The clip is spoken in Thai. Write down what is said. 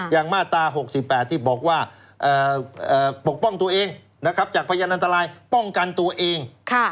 มาตรา๖๘ที่บอกว่าปกป้องตัวเองจากพยานอันตรายป้องกันตัวเอง